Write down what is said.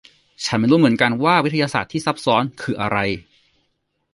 ฉันไม่รู้เหมือนกันว่าวิทยาศาสตร์ที่ซับซ้อนคืออะไร